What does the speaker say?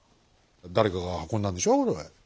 誰かが運んだんでしょそれ。